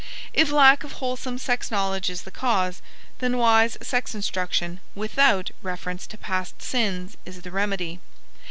If lack of wholesome sex knowledge is the cause, then wise sex instruction without reference to past sins is the remedy.